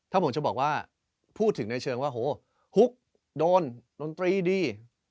ถ้าผมจะบอกว่าพูดถึงในเชิงว่าโหฮุกโดนดนตรีดี